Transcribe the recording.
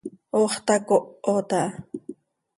¡Ox tacohot aha!